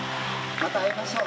また会いましょう。